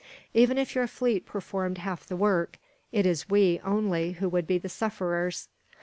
Even if your fleet performed half the work, it is we, only, who would be the sufferers.